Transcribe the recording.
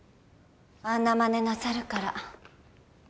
あんな真似なさるから。